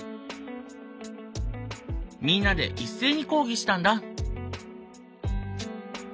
みんなで一斉に抗議したんだ！